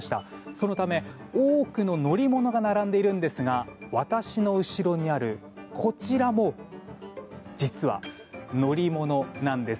そのため、多くの乗り物が並んでいますが私の後ろにあるこちらも実は乗り物なんです。